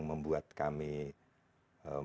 memang itu tidak hingga satu hukuman